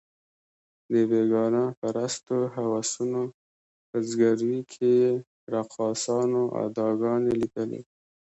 د بېګانه پرستو هوسونو په ځګیروي کې یې رقاصانو اداګانې لیدلې.